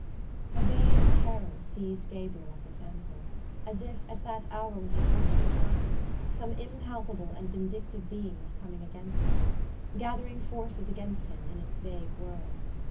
A vague terror seized Gabriel at this answer as if, at that hour when he had hoped to triumph, some impalpable and vindictive being was coming against him, gathering forces against him in its vague world.